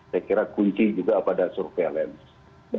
saya kira kunci juga pada surveillance